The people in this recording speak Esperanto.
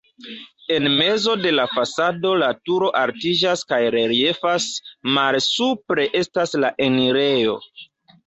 En mezo de la fasado la turo altiĝas kaj reliefas, malsupre estas la enirejo.